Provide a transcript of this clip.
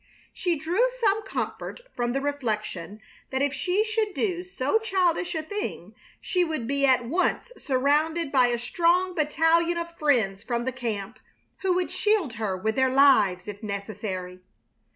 She drew some comfort from the reflection that if she should do so childish a thing she would be at once surrounded by a strong battalion of friends from the camp, who would shield her with their lives if necessary.